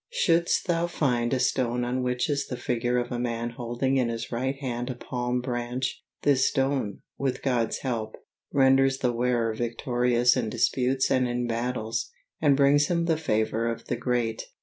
Shouldst thou find a stone on which is the figure of a man holding in his right hand a palm branch, this stone, with God's help, renders the wearer victorious in disputes and in battles, and brings him the favor of the great.